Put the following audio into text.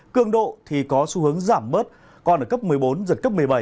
cương độ thì có xu hướng giảm bớt còn ở cấp một mươi bốn giật cấp một mươi bảy